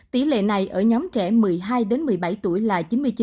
tỷ lệ này ở nhóm trẻ một mươi hai một mươi bảy tuổi là chín mươi chín chín mươi tám